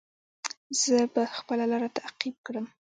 زه به خپله لاره تعقیب کړم.